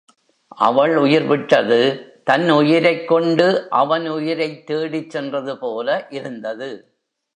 அவள் உயிர்விட்டது தன் உயிரைக் கொண்டு அவன் உயிரைத் தேடிச் சென்றது போல இருந்தது.